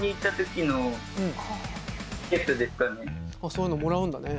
そういうのもらうんだね。